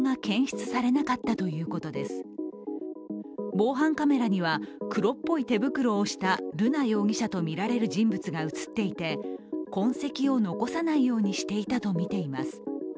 防犯カメラには黒っぽい手袋をした瑠奈容疑者とみられる人物が映っていて痕跡を残さないようにしていたとみています。